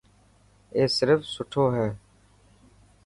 اي سرف سٺو هي.